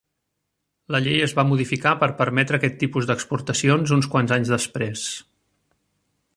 La llei es va modificar per permetre aquest tipus d'exportacions uns quants anys després.